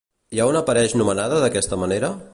I a on apareix nomenada d'aquesta manera?